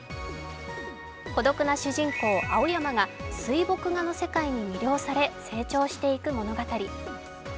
孤独な主人公・青山が水墨画の世界に魅了され成長していく物語。